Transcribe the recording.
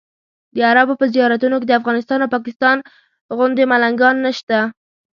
د عربو په زیارتونو کې د افغانستان او پاکستان غوندې ملنګان نشته.